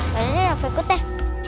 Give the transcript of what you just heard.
baik deh aku ikut deh